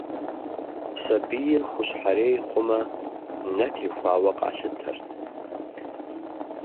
Сабийр хущхьэрей хъуамэ, нэ техуауэ къалъытэрт.